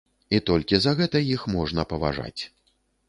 І толькі за гэта іх можна паважаць.